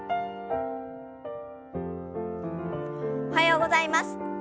おはようございます。